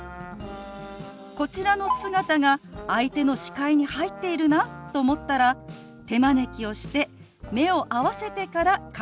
こちらの姿が相手の視界に入っているなと思ったら手招きをして目を合わせてから会話を始めるんです。